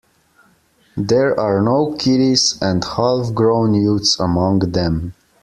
There are no kiddies and half grown youths among them.